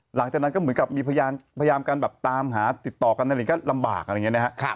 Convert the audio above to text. หลังจากนั้นก็เหมือนกับมีพยายามกันแบบตามหาติดต่อกันอะไรก็ลำบากอะไรอย่างนี้นะครับ